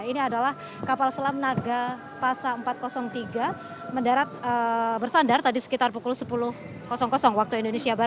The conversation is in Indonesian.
ini adalah kapal selam nagapasa empat ratus tiga bersandar tadi sekitar pukul sepuluh wib